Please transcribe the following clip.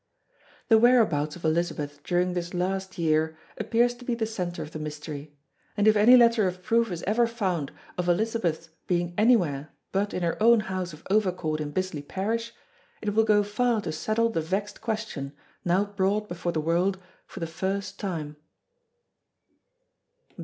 The whereabouts of Elizabeth during this last year appears to be the centre of the mystery; and if any letter or proof is ever found of Elizabeth's being anywhere but in her own house of Overcourt in Bisley Parish, it will go far to settle the vexed question now brought before the world for the first time.